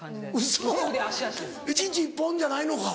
一日１本じゃないのか。